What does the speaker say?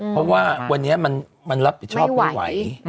เพราะว่าวันนี้มันรับผิดชอบไม่ไหว